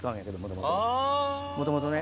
もともとね。